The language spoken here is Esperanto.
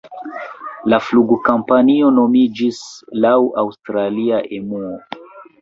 La flugkompanio nomiĝis laŭ aŭstralia Emuo.